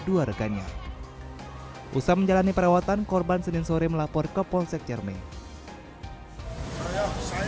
dua reganya usah menjalani perawatan korban senin sore melapor ke polsek cermin saya